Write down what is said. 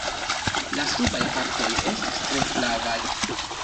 La subaj partoj estas tre flavaj.